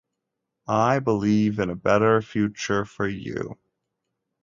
I believe in a better future for you.